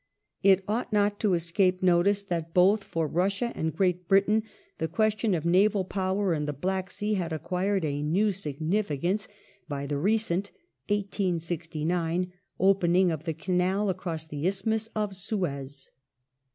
It ought not to escape notice that both for Russia and Great Britain the question of naval power in the Black Sea had acquired a new significance by the recent (1869) opening of the canal across the Isthmus of Suez.